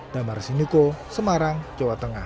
damar sinuko semarang jawa tengah